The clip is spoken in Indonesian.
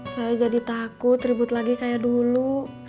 saya jadi takut ribut lagi kayak dulu